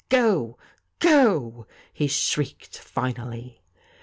' Go, go !' he shrieked finally.